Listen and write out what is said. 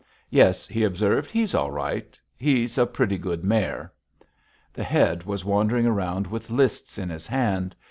"Yes," he observed; "he's all right. He's a pretty good mare." The Head was wandering around with lists in his hand.